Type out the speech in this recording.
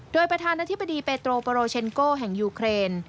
โดยประธานาธิบดีเปโตโปโรเชนโก้แห่งยูเครน